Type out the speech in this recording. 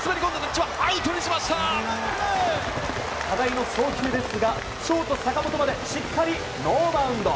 課題の送球ですがショート坂本までしっかりノーバウンド。